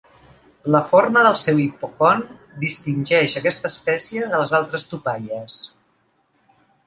La forma del seu hipocon, distingeix aquesta espècie de les altres tupaies.